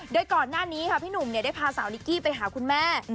โดยก่อนหน้านี้ค่ะพี่หนุ่มได้พาสาวนิกกี้ไปหาคุณแม่